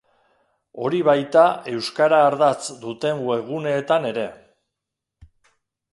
Hori baita euskara ardatz duten webguneetan ere.